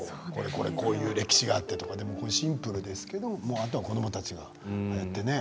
こういう歴史があってとかシンプルですけどあとは子どもたちがああやってね。